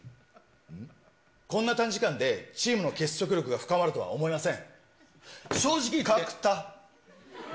こんな短時間で、チームの結束力が深まるとは思えません。